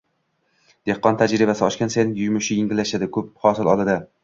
Dehqon tajribasi oshgan sayin yumushi yengillashadi: ko’p hosil oladi.